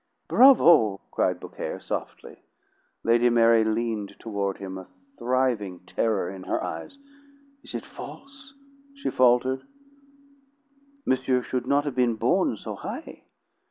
"Bravo!" cried Beaucaire softly. Lady Mary leaned toward him, a thriving terror in her eyes. "It is false?" she faltered. "Monsieur should not have been born so high.